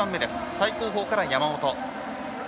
最後方から山本。